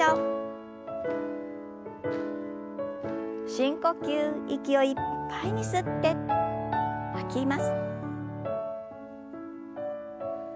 深呼吸息をいっぱいに吸って吐きます。